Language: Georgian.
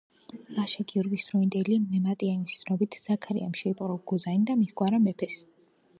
ლაშა-გიორგის დროინდელი მემატიანის ცნობით, ზაქარიამ შეიპყრო გუზანი და მიჰგვარა მეფეს.